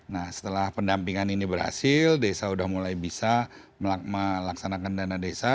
nah setelah pendampingan ini berhasil desa sudah mulai bisa melaksanakan dana desa